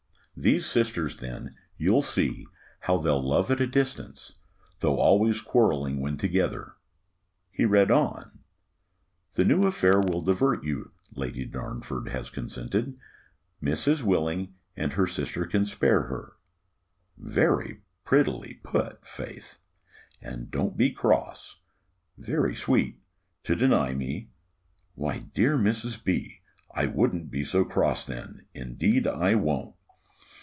These sisters then, you'll see, how they'll love at a distance, though always quarrelling when together." He read on, "'The new affair will divert you Lady Darnford has consented Miss is willing; and her sister can spare her;' Very prettily put, faith 'And don't you be cross' Very sweet 'to deny me.' Why, dear Mrs. B., I won't be so cross then; indeed I won't!